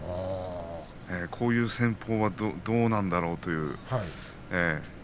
こういう戦法はどうなのかという。